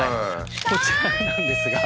こちらなんですが。